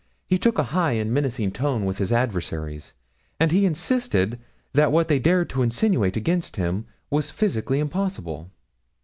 He took a high and menacing tone with his adversaries, and he insisted that what they dared to insinuate against him was physically impossible.'